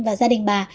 và gia đình bà